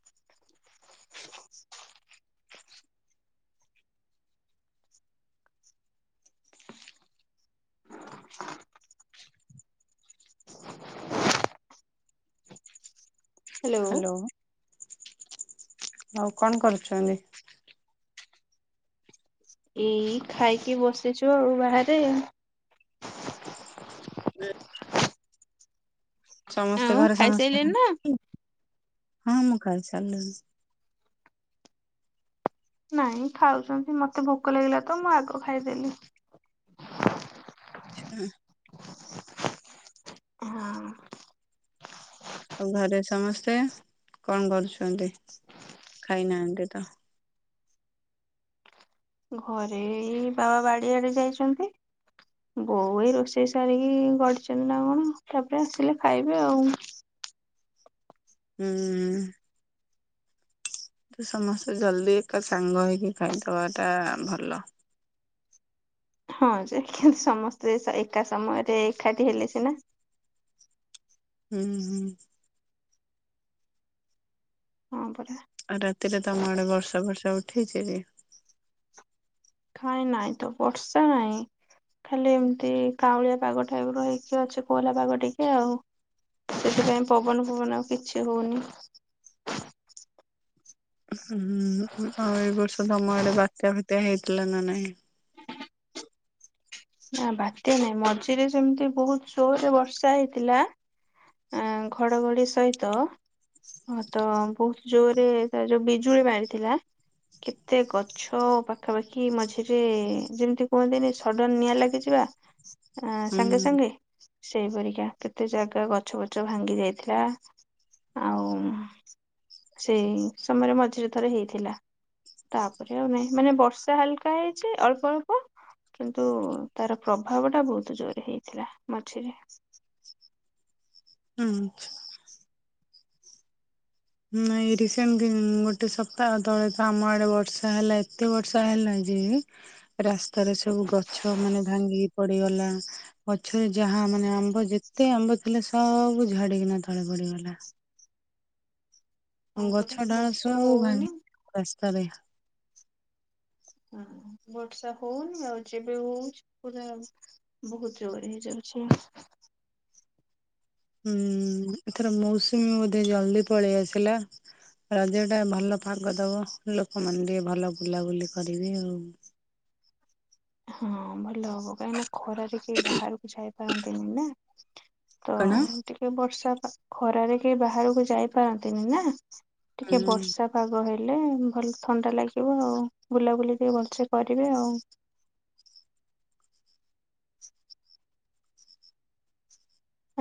[inaudible] Hello hello. ଆଉ କଣ କରୁଚନ୍ତି? ଏଇ ଖାଇକି ବସିଚୁ ଆଉ ବାହାରେ। ସମ ସେ ଆଉ ଘରେ ଖାଇସାରିଲେଣି ନା? ସମସ୍ତେ [unintelligible] ହଁ ମୁଁ ଖାଇସାରଲିଣି। ନାଇଁ ଖାଉଚନ୍ତି ମତେ ଭୋକ ଲାଗିଲା ତ ମୁଁ ଆଗ ଖାଇଦେଲି। ହଁ। ଆଉ ଘରେ ସମସ୍ତେ କଣ କରୁଛନ୍ତି? ଖାଇନାହାନ୍ତି ତ। ଘରେ ଏଇ ବାବା ବାଡି ଆଡେ ଯାଇଚନ୍ତି। ବୋଉ ଏଇ ରୋଷେଇ ସାରିକି ଗଡୁଚନ୍ତି ନା କଣ? ତାପରେ ଆସିଲେ ଖାଇବେ ଆଉ। ହୁଁ। ତ ସମସ୍ତେ ଜଲ୍ଦି ଏକା ସାଙ୍ଗ ହେଇକି ଖାଇଦବା ଟା ଭଲ। ହଁ ଯେ କିନ୍ତୁ ସମସ୍ତେ ଏକା ସମୟରେ ଏକାଠି ହେଲେ ସିନା। ହୁଁ ହୁଁ। ହଁ ପରା। ଆଉ ରାତିରେ ତମ ଆଡେ ବର୍ଷା ଫର୍ଷା ଉଠେଇଛି କି? ଖାଇ ନାଇଁ ତ ବର୍ଷା ନାଇଁ ଖାଲି ଏମିତି କାଉଳିଆ ପାଗ ଟାଇପ ର ହେଇକି ଅଛି। କୋହଲା ପାଗ ଟିକେ ଆଉ ସେଥିପାଇଁ ପବନ ଫବନ ଆଉ କିଛି ହଉନି। ହୁଁ ଆଉ ଏ ବର୍ଷ ତମ ଆଡେ ବାତ୍ୟା ଫାତ୍ୟା ହେଇଥିଲା ନା ନାହିଁ? ନା ବାତ୍ୟା ନାହିଁ ମଝିରେ ସେମିତି ବହୁତ ଜୋରରେ ବର୍ଷା ହେଇଥିଲା ଘଡଘଡି ସହିତ। ହଁ ତ ବହୁତ ଜୋରରେ ତା ଯୋଉ ବି ଜୁଳି ମାରିଥିଲା କେତେ ଗଛ ପାଖାପାଖି ମଝିରେ ଯେମତି କୁହନ୍ତିନି ସଡନ୍ ନିଆଁ ଲାଗିଯିବା। ଆଁ ହୁଁ ସାଙ୍ଗେ ସାଙ୍ଗେ ସେଇପରିକା କେତେ ଜାଗା ଗଛ ଫଛ ଭାଙ୍ଗି ଯାଇଥିଲା ଆଉ ସେଇ ସମୟରେ ମଝିରେ ଥରେ ହେଇଥିଲା ତାପରେ ଆଉ ନାହିଁ ମାନେ ବର୍ଷା ହାଲକା ହେଇଚି ଅଳ୍ପ ଅଳ୍ପ କି ନ୍ତୁ ତାର ପ୍ରଭାବ ଟା ବହୁତ ଜୋର ହେଇଥିଲା ମଝିରେ। ହୁଁ। ନାଇଁ ରିସେଣ୍ଟ ଗୋଟେ ସପ୍ତାହ ତଳେ ତ ଆମ ଆଡେ ବର୍ଷା ହେଲା ଏତେ ବର୍ଷା ହେଲା ଯେ ରାସ୍ତାରେ ସବୁ ଗଛ ମାନେ ଭାଙ୍ଗିକି ପଡିଗଲା। ଗଛରେ ଯାହା ମାନେ ଆମ୍ବ ଯେତେ ଆମ୍ବ ଥିଲା ସବୁ ଝଡିକିନା ତଳେ ପଡିଗଲା। ହଁ ପରା ଗଛ ଡାଳ ବର୍ଷା ସବୁ ହଉନି ଭାଙ୍ଗି ତରେ। [inaudible] ଓ ହୋ ବର୍ଷା ହଉନି ଆଉ ଯେବେ ହଉଛି ପୁରା ବହୁତ ଜୋର ହେଇଯାଉଛି। ହୁଁ ଏଥର ମୌସୁମୀ ବୋଧେ ଜଲ୍ଦି ପଳେଇ ଆସିଲା ରଜ ଟା ଭଲ ପାଗ ଦବ ଲୋକମାନେ ଟିକେ ଭଲ ବୁଲାବୁଲି କରିବେ ଆଉ ହଁ ଭଲ ହବ କାହିଁକି ନା ଖରାରେ କେହି ବାହାରକୁ ଯାଇପାରନ୍ତିନି ନା। [inaudible] ତ କଣ ଟିକେ ବର୍ଷା ଖରାରେ କେହି ବାହାରୁକୁ ଯାଇପାରନ୍ତିନି ନା। ଟିକେ ହୁଁ ବର୍ଷା ପାଗ ହେ ହେଲେ ଭଲ ଥଣ୍ଡା ଲାଗିବ ଆଉ ବୁଲାବୁଲି ଟିକେ ଭଲସେ କରିବେ ଆଉ।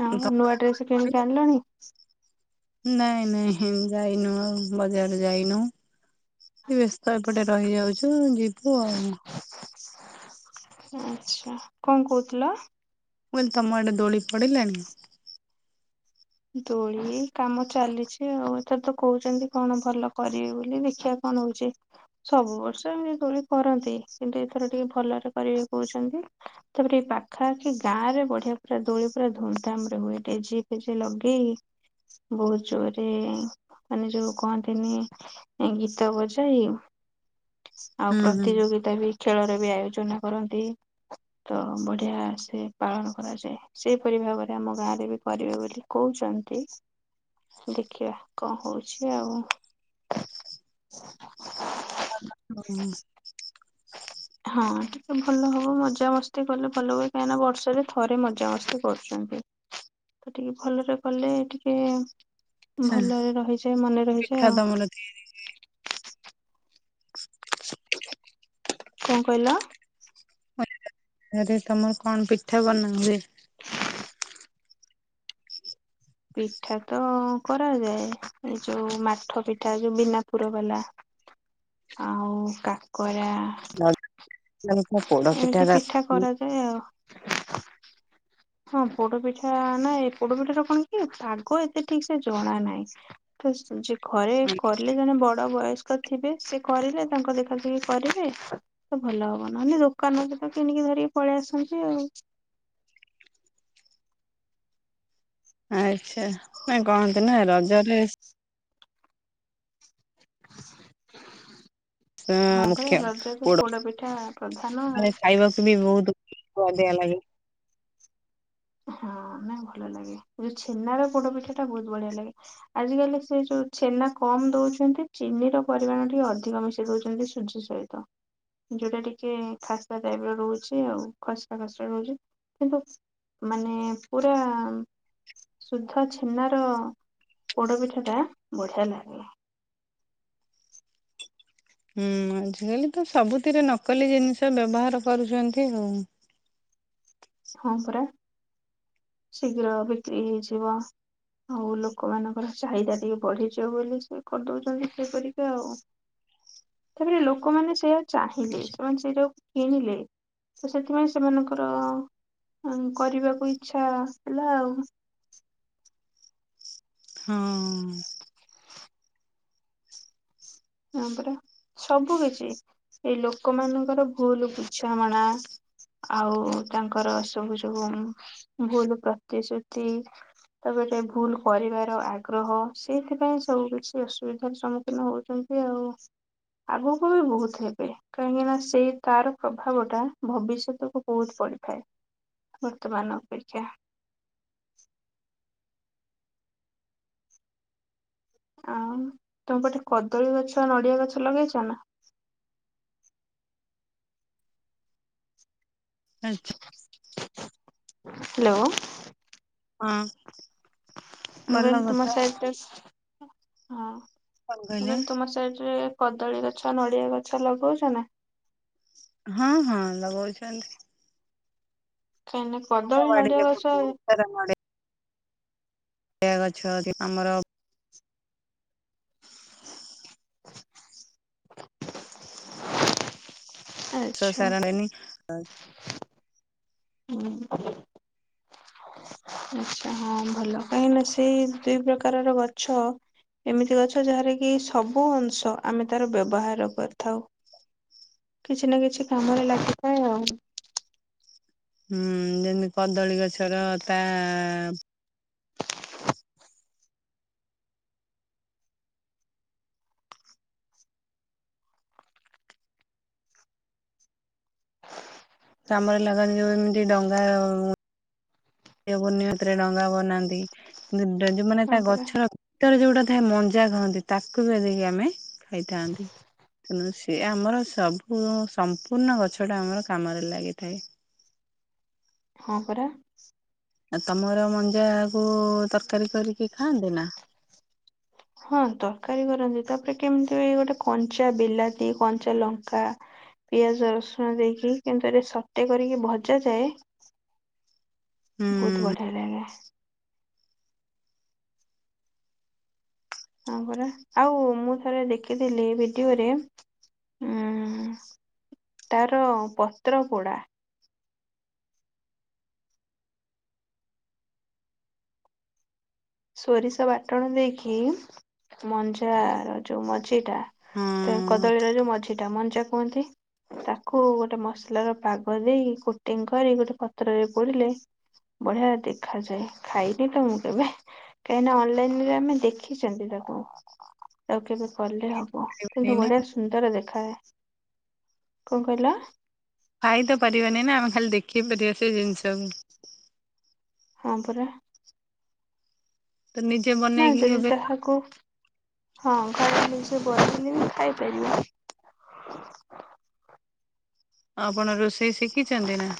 ହଁ ତମର ନୂଆ ଡ୍ରେସ୍ କରିଛ? କିଣିକି ଆଣିଲଣି? [inaudible] ନାଇଁ ନାଇଁ ଯାଇନୁ ଆଉ ବଜାର ଯାଇନୁ। ବ୍ୟସ୍ତ ଏପଟେ ରହିଯାଉଛୁ ଯିବୁ ଆଉ। [inaudible] ଆଛା କଣ କହୁଥିଲ? ମୁଁ କହିଲି ତମ ଆଡେ ଦୋଳି ପିଡ଼ିଲାଣି? ଦୋଳି କାମ ଚାଲିଛି ଆଉ ଏଥର ତ କହୁଛନ୍ତି କଣ ଭଲ କରିବେ ବୋଲି ଦେଖିବା କଣ ହଉଛି ସବୁ ବର୍ଷ ଏମିତି ଦୋଳି କରନ୍ତି କିନ୍ତୁ ଏଥର ଟିକେ ଭଲରେ କରିବେ କହୁଛନ୍ତି ତାପରେ ଏ ପାଖାପାଖି ଗାଁ ରେ ବଢିଆ ପୁରା ଦୋଳି ପୁରା ଧୁମଧାମ ରେ ହୁଏ ଡିଜେ ଲଗେଇ ବହୁତ ଜୋରେ ମାନେ ଯୋଉ କହନ୍ତିନି ଗୀତ ବଜେଇ ଆଉ ହୁଁ ହୁଁ। ପ୍ରତିଯୋଗିତା ବି ଖେଳର ବି ଆୟୋଜନ କରନ୍ତି ତ ବଢ଼ିଆ ସେ ପାଳନ କରାଯାଏ ସେହିପରି ଭାବରେ ଆମ ଗାଁରେ ବି କରିବେ ବୋଲି କହୁଛନ୍ତି ଦେଖିବା କଣ ହଉଛି ଆଉ। ହୁଁ। ହଁ ଟିକେ ଭଲ ହବ ମଜା ମସ୍ତି କଲେ ଭଲ ହୁଏ କାହିଁ ନା ବର୍ଷ ରେ ଥରେ ମଜା ମସ୍ତି କରୁଛନ୍ତି ତ ଟିକେ ଭଲରେ କଲେ ଟିକେ ଆଚ୍ଛା ଭଲରେ ରହିଯାଏ ମନେ ରହିଯାଏ ପିଠା ତମର ଆଉ। କଣ କହିଲ? ଆରେ ରଜରେ କଣ ପିଠା ବନା ହୁଏ? ପିଠା ତ କରାଯାଏ ଏଇ ଯୋଉ ମାଠ ପିଠା ଯୋଉ ବିନା ପୁର ବାଲା ଆଉ କାକରା ପୋଡ ପିଠା ଏମିତି [unintelligible] କରାଯାଏ ଆଉ। ହଁ ପୋଡ ପିଠା ନା ପୋଡ ପିଠା ର ପୁଣି ପାଗ ଏତେ ଠିକ୍ ସେ ଜଣା ନାହିଁ ତ ଯେ ଘରେ କଲେ ଜଣେ ବଡ ବୟସ୍କ ତ ଥିବେ ସେ କରିଲେ ତାଙ୍କ ଦେଖା ଦେଖି କରିବେ ତ ଭଲ ହବ ନହେଲେ ଦୋକାନରୁ ତ କିଣିକି ଧରିକି ପଳେଇ ଆସନ୍ତି ଆଉ। ଆଚ୍ଛା ନାଇ କହନ୍ତି ନା ରଜରେ ହଁ ପରା ମୁଖ୍ୟ ରଜକୁ ପୋଡ ପିଠା ପ୍ରଧାନ ଆଉ। ଖାଇବାକୁ ବି ବହୁତ ବଢିଆ ଲାଗେ। ହଁ ନାଇଁ ଭଲ ଲାଗେ ଯୋଉ ଛେନାର ପୋଡ ପିଠା ଟା ବହୁତ ବଢିଆ ଲାଗେ ଆଜିକାଲି ସେ ଯୋଉ ଛେନା କମ୍ ଦଉଛନ୍ତି ଚିନି ର ପରିମାଣ ଟିକେ ଅଧିକ ମିଶେଇ ଦଉଛନ୍ତି ସୁଜି ସହିତ ଯୋଉଟା ଟିକେ ଖାସ୍ତା ଟାଇପ ର ରହୁଛି ଆଉ ଖସା ଖସା ରହୁଛି କିନ୍ତୁ ମାନେ ପୁରା ସୁଦ୍ଧ ଛେନାର ପୋଡପିଠା ଟା ବଢିଆ ଲାଗେ। ହୁଁ ଆଜିକାଲି ତ ସବୁଥିରେ ତ ନକଲି ଜିନିଷ ବ୍ୟବହାର କରୁଛନ୍ତି ଆଉ। ହଁ ପରା ଶୀଘ୍ର ବିକ୍ରି ହେଇଯିବ ଆଉ ଲୋକମାନଙ୍କର ଚାହିଦା ଟିକେ ବଢିଯିବ ବୋଲି ସେ କରିଦଉଛନ୍ତି ସେଇଆକରିକି ଆଉ ତାପରେ ଲୋକମାନେ ସେଇଆ ଚାହିଁଲେ ସେମାନେ ସେଇଟାକୁ କିଣିଲେ ତ ସେଥିପାଇଁ ସେମାନଙ୍କର ହଁ କରିବାକୁ ଇଛା ହେଲା ଆଉ। ହଁ। ହଁ ପରା ସବୁ କିଛି ଏଇ ଲୋକ ମାନଙ୍କର ଭୁଲ୍ ବୁଝାମଣା ଆଉ ତାଙ୍କର ସବୁ ଯୋଉ ଭୁଲ ପ୍ରତିଶ୍ରୁତି ତାପରେ ଭୁଲ କରିବାର ଆଗ୍ରହ ସେଇଥିପାଇଁ ସବୁ କିଛି ଅସୁବିଧାରେ ସମ୍ମୁଖୀନ ହଉଛନ୍ତି। ସେ ଆଉ ଆଗକୁ ବି ବହୁତ ହେବେ କାହିଁକି ନା ସେଇ ତାର ପ୍ରଭାବ ଟା ଭବିଷ୍ୟତକୁ ବହୁତ ପଡିଥାଏ ବର୍ତ୍ତମାନ ଅପେକ୍ଷା। ଆଉ ତମ ପଟେ କଦଳୀ ଗଛ ନଡିଆ ଗଛ ଲଗେଇଛ ନା ଆଚ୍ଛା। ହ୍ୟାଲୋ ହଁ। ମୁ ଭଲ କହିଲି କଥା। ତୁମସଟ ହଁ। କଣ କହିଲେ ମୁ ତୁମର ସାଇଡ ରେ କଦଳୀ ଗଛ ନଡିଆ ଗଛ ଲଗଉଛ ନା। ହଁ ହଁ ଲଗାଉଛନ୍ତି। କାଇଁ କଦଳୀ ନଡିଆ ବାଡିରେ ବହୁତ ଗଛ ହଏ ସେ ଅଛା ଆମର ହ [inaudible] ସ ଆଚ୍ଛା। ସାର ନି ହୁଁ। ଆଚଛା ହଁ ଭଲ କାହିଁକି ନା ସେଇ ଦୁଇ ପ୍ରକାରର ଗଛ ଏମିତି ଗଛ ଯାହାର କିି ସବୁ ଅଂଶ ଆମେ ତାର ବ୍ୟବହାର କରିଥାଉ କିଛି ନା କିଛି କାମରେ ଲାଗିଥାଏ ଆଉ। ହୁଁ ଯେମିତି କଦଳୀ ଗଛର ତା ଚାମରେ ଲଗାନ ଯୋଉ ଏମିତି ଡଙ୍ଗା ଉଁ ପୁର୍ଣ୍ତିରେ ଡଙ୍ଗା ବନାନ୍ତି। ମାନେ ହଁ ତା ପରା ଗଛର ଗୀତରେ ଯୋଉଟା ଥାଏ ମଞ୍ଜା କହନ୍ତି ତାକୁ ବି ଦେଇକି ଆମେ ଖାଇଥାନ୍ତି। ତେଣୁ ସେ ଆମର ସବୁ ସମ୍ପୂର୍ଣ୍ଣ ଗଛଟା ଆମର କାମରେ ଲାଗିଥାଏ। ହଁ ପରା। ଆଉ ତମର ମଞ୍ଜାକୁ ତରକାରୀ କରିକି ଖାଆନ୍ତି ନା। ହଁ ତରକାରୀ କରନ୍ତି ତାପରେ କେମିତି ଗୋଟେ କଞ୍ଚା ବିଲାତି କଞ୍ଚା ଲଙ୍କା ପିଆଜ ରସୁଣ ଦେଇକି କିନ୍ତୁ ଏଟ ସଟେ କରିକି ଭଜା ଯାଏ ବହୁତ ହୁଁ ବଢ଼ିଆ ଲାଗେ। ହ ପରା ଆଉ ମୁଁ ଥରେ ଦେଖିଥିଲି ଭିଡିଓରେ ଉ ତାର ପତ୍ର ପୋଡା ସୋରିଷ ବାଟଣ ଦେଇକି ମଞ୍ଜାର ଯୋଉ ମ ମଝି ଟା ହଁ ତ କଦଳୀର ଯୋଉ ମଝିଟା ଡାମନଞ୍ଚା କୁହନ୍ତି। ତାକୁ ଗୋଟେ ମ ଫସଲ ର ପାଗ ଦେଇ କୋଟିଂ କରି ଗୋଟେ ପତ୍ରରେ ପୋଡିଲେ ବଢିଆ ଦେଖାଯାଏ ଖାଇନି ତ ମୁଁ କେବେ କାହିଁକିନା ଅନଲାଇନ ରେ ଆମେ ଦେଖିଛନ୍ତି ତାକୁ ଆଉ କେବେ କଲେ ହବ। ଓ କିନ୍ତୁ ନା ବଢିଆ ସୁନ୍ଦର ଦେଖାଯାଏ। କଣ କହିଲ? ଖାଇ ତ ପାରିବନି ନା ଆମେ ଖାଲି ଦେଖେଇ ପାରିବା ସେ ଜିନିଷକୁ। ହଁ ପରା। ତ ନିଜେ ନା ବନେଇକି ଯଦି କେବେ ତାହାକୁ ହଁ ଘରେ ନିଜ ବ ଖାଇପାରିବି ଆପଣ ରୋଷ ସେ ଶିଖି ଚାଛନ୍ତି ନା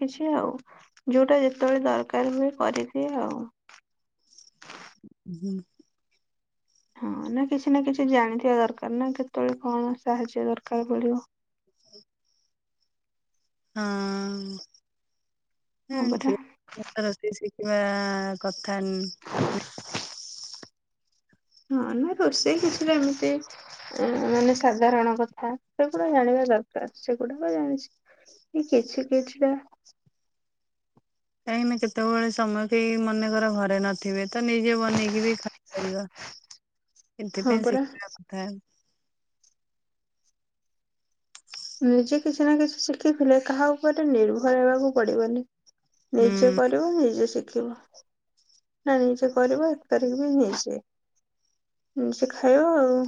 ଖଛି ଆଉ ଯୋଉଟା ଯେତେବେଳେ ଦରକାର ହୁଏ କରିଦିଏ ଆଉ ହୁଁ ହଁ ନା କିଛି ନା କିଛି ଜାଣିଥିବା ଦରକାର ନା କେତେବେଳେ କଣ ସାହାଯ୍ୟ ଦରକାର ପଡିବ। ହଁ ହଁ ହୁଁ ପରା ସେ କିମ୍ବା କ କନ୍ [inaudible] ହଁ ନାଇ ରୋଷେଇ କିଛିଟା ଏମିତି ମାନେ ସାଧାରଣ କଥା ସେଗୁଡା ଜାଣିବା ଦରକାର ସେଗୁଡାକ ଜାଣିଛି କିଛି କିଛିଟା କାଇହିଁ ନାି କେତେବେଳେ ସମୟ କେହି ମନେ କରର ଘରେ ନଥିବେ ତ ନିଜେ ବନେଇକି ବି ଖାଇପାରିବା ହଁ ସେଥିପାଇଁ ପରା ଶିଖିବା କଥା ନିଜେ କିଛି ନା କିଛି ଶିଖିଥିଲେ କାହା ଉପରେ ନିର୍ଭର ହେବାକୁ ପଡିବନି ନିଜେ ହୁଁ କରିବ ନିଜେ ଶି ନା ନିଜେ କରିବ ଏକ ତାରିଖ ବି ନିଜେ ନିଜେ ଖାଇବ ଆଉ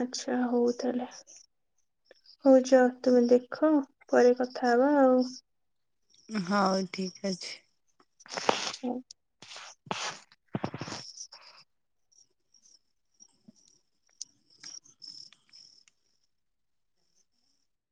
ଆଚ୍ଛା ହଉ ତାହେଲେ ହଉଛ ତୁମେ ଦେଖ ପରେ କଥା ହବା ଆଉ ହଉ ଠିକ ଅଛି। ହୁଁ